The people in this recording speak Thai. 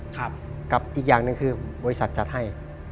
กับอีกอย่างหนึ่งคือบริษัทจัดให้